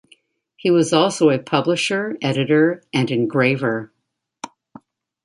He was also a publisher, editor and engraver.